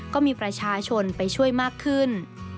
ก็มีประชาชนไปช่วยมากขึ้น